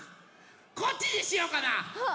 こっちにしようかな？